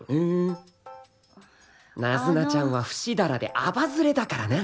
ナズナちゃんはふしだらであばずれだからな。